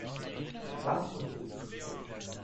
Lass uns diskutieren.